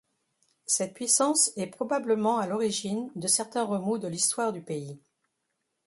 Cette puissance est probablement à l'origine de certains remous de l'histoire du pays.